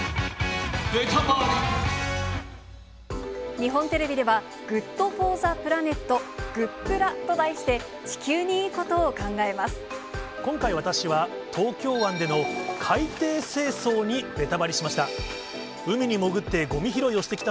日本テレビでは、ＧｏｏｄＦｏｒｔｈｅＰｌａｎｅｔ・グップラと題して、今回、私は東京湾での海底清掃にベタバリしました。